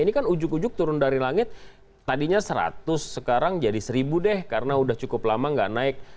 ini kan ujuk ujuk turun dari langit tadinya seratus sekarang jadi seribu deh karena udah cukup lama nggak naik